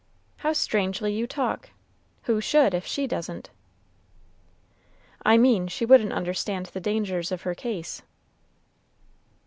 "How strangely you talk! who should, if she doesn't?" "I mean, she wouldn't understand the dangers of her case."